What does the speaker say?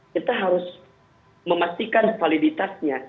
kita harus memastikan validitasnya